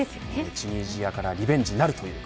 チュニジアからリベンジなるという。